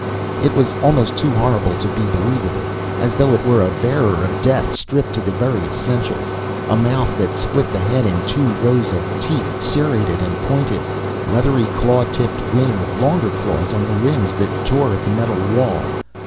It was almost too horrible to be believable. As though it were a bearer of death stripped to the very essentials. A mouth that split the head in two, rows of teeth, serrated and pointed. Leathery, claw tipped wings, longer claws on the limbs that tore at the metal wall.